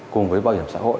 cùng với bảo hiểm xã hội